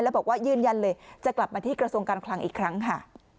แล้วบอกว่ายืนยันเลยจะกลับมาที่กระทรวงการคลังอีกครั้งค่ะ